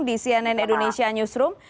di cnn indonesia newsroom